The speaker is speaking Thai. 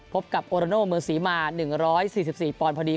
พบกับโอโรโนเมืองศรีมา๑๔๔ปอนด์พอดี